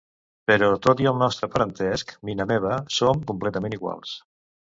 Però tot i el nostre parentesc, Mina meva, som completament iguals.